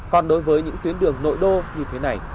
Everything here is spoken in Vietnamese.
còn đối với những tuyến đường nội đô như thế này